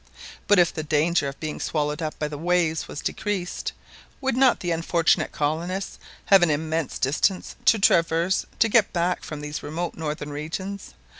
But if the danger of being swallowed up by the waves was decreased, would not the unfortunate colonists have an immense distance to traverse to get back from these remote northern regions?